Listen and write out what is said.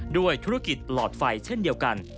ด้วยธุรกิจหลอดไฟเช่นเดียวกัน